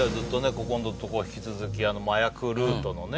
ここのとこ引き続き麻薬ルートのね